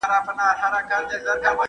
په لوړ غږ موزيک مه اورئ.